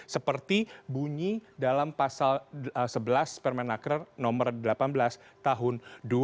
seperti bunyi dalam pasal sebelas permenaker nomor delapan belas tahun dua ribu dua puluh